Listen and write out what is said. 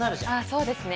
そうですね